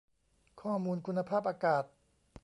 ข้อมูลคุณภาพอากาศ